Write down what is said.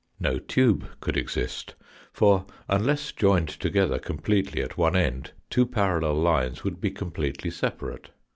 No tube could exist, for unless joined together completely at one end two parallel lines would be completely separate.